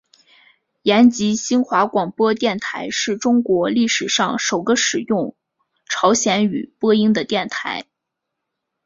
延吉新华广播电台是中国历史上首个使用朝鲜语播音的电台。